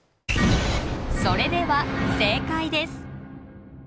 それでは正解です。